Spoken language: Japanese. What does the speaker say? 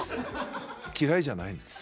嫌いじゃないんです。